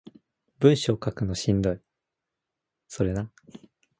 文章書くのしんどい